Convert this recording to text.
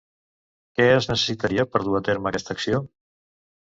Què es necessitaria per dur a terme aquesta acció?